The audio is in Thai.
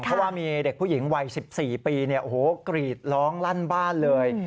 เพราะว่ามีเด็กผู้หญิงวัย๑๔ปีกรีดร้องลั่นบ้านเลย